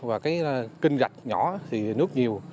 và cái kinh rạch nhỏ thì nước nhiều